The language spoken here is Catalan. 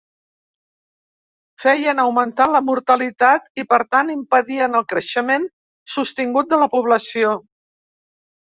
Feien augmentar la mortalitat i, per tant, impedien el creixement sostingut de la població.